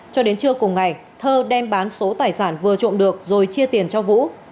cho đến trưa cùng ngày thơ đem bán số tài sản vừa trộm được rồi chia tiền cho vũ